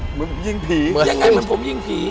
เหมือนยิงผียังไงเหมือนผมยิงผี